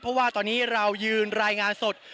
เพราะว่าตอนนี้เรายืนรายงานสด